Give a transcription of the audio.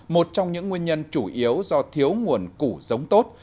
một trong những nguyên nhân chủ yếu do thiếu nguồn củ giống tốt